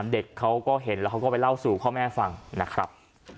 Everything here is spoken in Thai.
เด็กเขาก็เห็นแล้วเขาก็ไปเล่าสู่พ่อแม่ฟังนะครับ